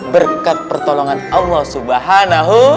berkat pertolongan allah subhanahu